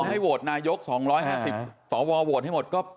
ให้โหวตนายก๒๕๐สวโหวตให้หมดก็